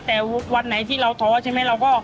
แต่วันไหนที่เราท้อใช่ไหมเราก็